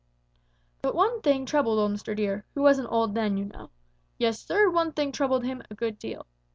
"But one thing troubled old Mr. Deer, who wasn't old then, you know. Yes, Sir, one thing troubled him a great deal.